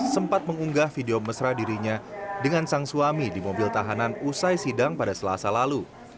sempat mengunggah video mesra dirinya dengan sang suami di mobil tahanan usai sidang pada selasa lalu